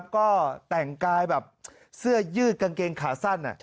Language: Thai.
ก็แต่งกายแบบเสื้อยืดกางเกงขาสั้น